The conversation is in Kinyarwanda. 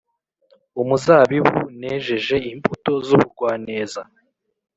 umuzabibu, nejeje imbuto z’ubugwaneza,